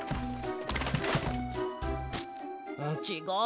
ちがう。